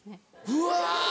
うわ！